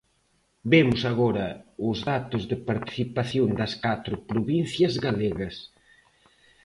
Vemos agora os datos de participación das catro provincias galegas.